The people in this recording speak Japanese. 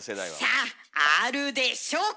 さああるでしょうか！